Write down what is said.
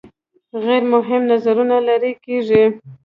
غیر مهم نظرونه لرې کیږي.